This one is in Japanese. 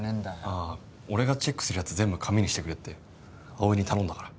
ああ俺がチェックするやつ全部紙にしてくれって葵に頼んだから。